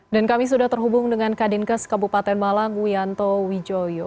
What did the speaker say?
dan kami sudah terhubung dengan kadinkas kabupaten malang wianto wijoyo